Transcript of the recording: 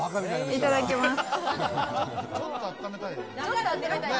いただきます。